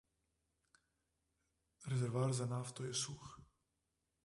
Rezervoar za nafto je suh.